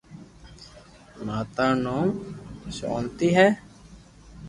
ماتا رو نيم ݾونتي ھي